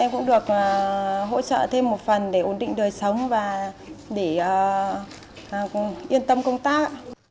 em cũng được hỗ trợ thêm một phần để ổn định đời sống và để yên tâm công tác